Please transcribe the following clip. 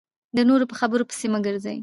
د نورو په خبرو پسې مه ګرځئ .